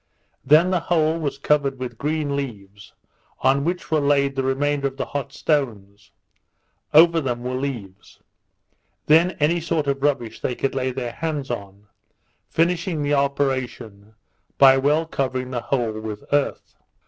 Then the whole was covered with green leaves, on which were laid the remainder of the hot stones; over them were leaves; then any sort of rubbish they could lay their hands on; finishing the operation by well covering the whole with earth.